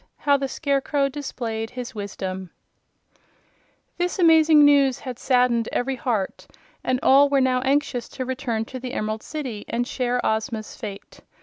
How the Scarecrow Displayed His Wisdom This amazing news had saddened every heart and all were now anxious to return to the Emerald City and share Ozma's fate.